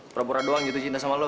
pura pura doang gitu cinta sama lo